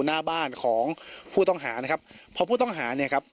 หน้าบ้านของผู้ต้องหานะครับเพราะผู้ต้องหาเนี่ยครับ